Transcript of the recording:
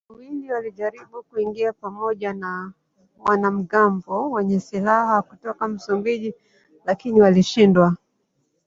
Wawili walijaribu kuingia pamoja na wanamgambo wenye silaha kutoka Msumbiji lakini walishindwa.